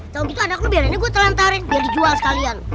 kalau gitu anak lo biarannya gue telantarin biar dijual sekalian